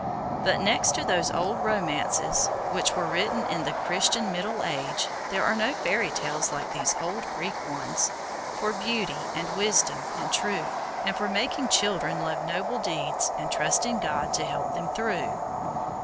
But next to those old Romances, which were written in the Christian middle age, there are no fairy tales like these old Greek ones, for beauty, and wisdom, and truth, and for making children love noble deeds, and trust in God to help them through.